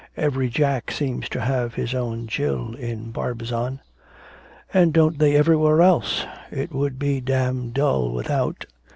Every Jack seems to have his own Jill in Barbizon.' 'And don't they everywhere else? It would be damned dull without.'